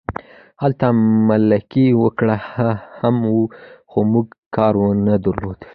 هلته ملکي وګړي هم وو خو موږ کار نه درلود